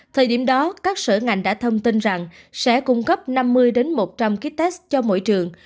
thời điểm đó các sở ngành đã thông tin rằng sẽ cung cấp năm mươi một trăm linh ký test cho mỗi trường